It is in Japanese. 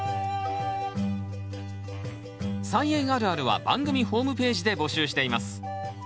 「菜園あるある」は番組ホームページで募集しています。